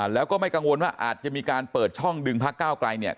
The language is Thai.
แล้วก็ไม่กังวลว่าอาจจะมีการเปิดช่องดึงพักก้าวไกลเนี่ย